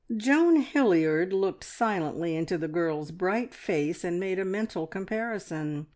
Joan Hilliard looked silently into the girl's bright face and made a mental comparison.